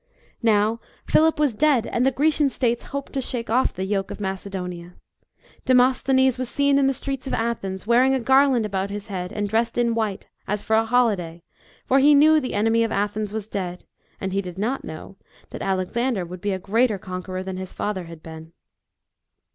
Now, Philip was dead, and the Grecian states hoped to shake off the yoke of Macedonia. Demosthenes was seen in the streets of Athens, wearing a garland about his head and dressed in white, as for a holiday, for he knew the enemy of Athens was dead, and he did not know, that Alexander would be a greater conqueror, than his father had been.